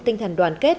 tinh thần đoàn kết